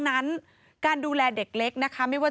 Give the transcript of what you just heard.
พบหน้าลูกแบบเป็นร่างไร้วิญญาณ